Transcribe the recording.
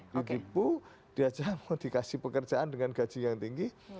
ditipu diajak mau dikasih pekerjaan dengan gaji yang tinggi